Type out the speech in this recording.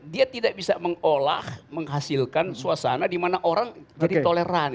dia tidak bisa mengolah menghasilkan suasana di mana orang jadi toleran